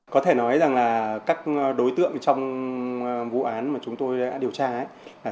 có thể nói rằng là các đối tượng trong vụ án mà chúng tôi đã điều tra